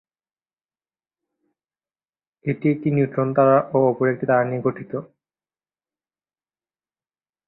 এটি একটি নিউট্রন তারা ও অপর একটি তারা নিয়ে গঠিত।